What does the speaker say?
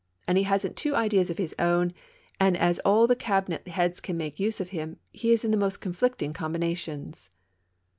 As be hasn't two ideas of his own and as all the cabinet heads can make use of him, he is in the most conflicting combinations."